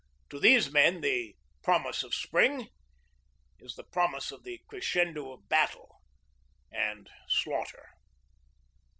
To these men the 'Promise of Spring' is the promise of the crescendo of battle and slaughter.